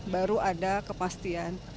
baru ada kepastian